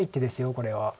これは。